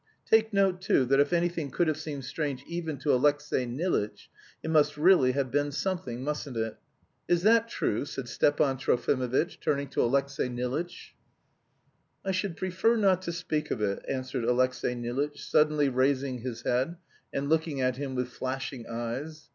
Take note, too, that if anything could have seemed strange even to Alexey Nilitch, it must really have been something, mustn't it?" "Is that true?" said Stepan Trofimovitch, turning to Alexey Nilitch. "I should prefer not to speak of it," answered Alexey Nilitch, suddenly raising his head, and looking at him with flashing eyes.